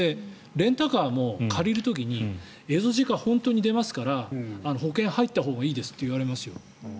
レンタカーも借りる時にエゾシカ本当に出ますから保険入ったほうがいいですと言われます。